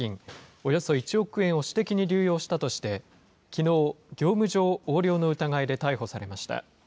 およそ１億円を私的に流用したとして、きのう、業務上横領の疑いで逮捕されました。